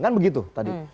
kan begitu tadi